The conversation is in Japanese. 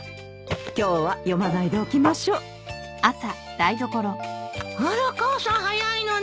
今日は読まないでおきましょうあら母さん早いのね。